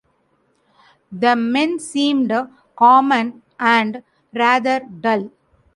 The men seemed common and rather dull.